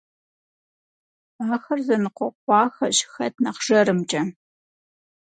Ахэр зэныкъуэкъуахэщ хэт нэхъ жэрымкӀэ.